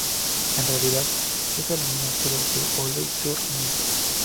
En realidad, está a la misma altura que Boulogne Sur Mer.